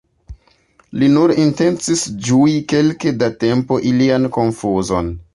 Li nur intencis ĝui kelke da tempo ilian konfuzon!